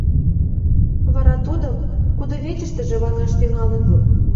Вара тудым кудывечыштыже ваҥаш тӱҥалын.